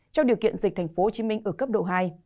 trong điều kiện dịch tp hcm ở cấp độ hai